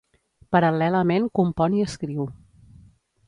Paral·lelament, compon i escriu.